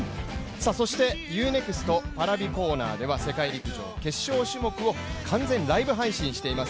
そしてＵ−ＮＥＸＴＰａｒａｖｉコーナーでは世界陸上決勝種目を完全ライブ配信しています。